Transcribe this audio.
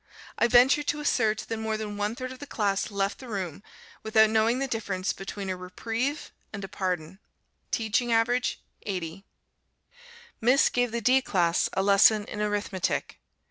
I venture to assert that more than one third of the class left the room without knowing the difference between a reprieve and a pardon. Teaching average 80. Miss gave the D class a lesson in Arithmetic.